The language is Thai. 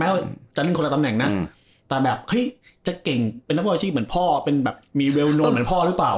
ไม่ว่าจะเล่นคนละตำแหน่งนะแต่จะเก่งเป็นนักธุรกิจเหมือนพ่อมีเรียลโน้นเหมือนพ่อหรือเปล่า